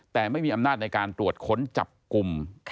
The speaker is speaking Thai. แต่ไม่มีอำนาจในการตรวจค้นจับกลุ่ม